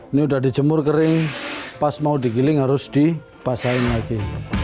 ini udah dijemur kering pas mau digiling harus dipasahin lagi